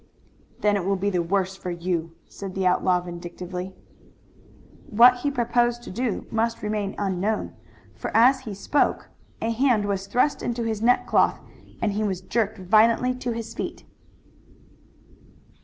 "Then it will be the worse for you," said the outlaw vindictively. What he proposed to do must remain unknown, for as he spoke a hand was thrust into his neckcloth and he was jerked violently to his feet.